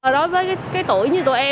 đối với cái tuổi như tụi em á